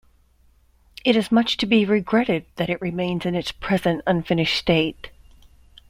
It is much to be regretted, that it remains in its present unfinished state.